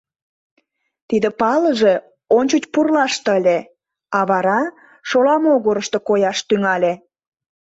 Тиде палыже ончыч пурлаште ыле, а вара шола могырышто кояш тӱҥале.